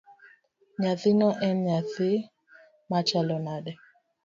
Nyathino en nyathi machalo nade?